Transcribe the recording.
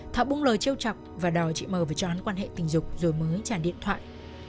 thọ bung lời chiêu chọc và đòi chị m phải cho hắn quan hệ tình dục rồi mới trả điện thoại